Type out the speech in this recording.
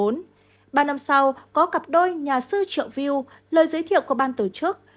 ba năm sau có cặp đôi nhà sư triệu view lời giới thiệu của ban tổ chức